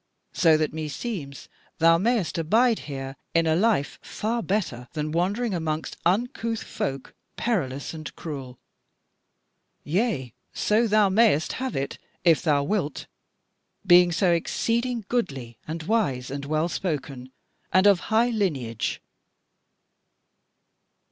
So that meseems thou mayest abide here in a life far better than wandering amongst uncouth folk, perilous and cruel. Yea, so thou mayst have it if thou wilt, being so exceeding goodly, and wise, and well spoken, and of high lineage."